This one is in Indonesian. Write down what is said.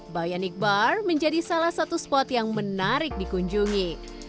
bionic bar menjadi salah satu spot yang menarik dikunjungi